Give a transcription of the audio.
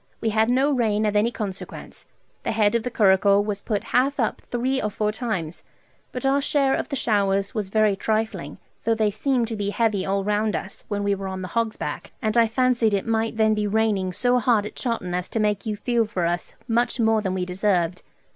We had no rain of any consequence. The head of the curricle was put half up three or four times, but our share of the showers was very trifling, though they seemed to be heavy all round us, when we were on the Hog's back, and I fancied it might then be raining so hard at Chawton as to make you feel for us much more than we deserved.